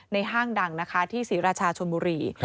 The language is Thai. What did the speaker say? ห้างดังนะคะที่ศรีราชาชนบุรี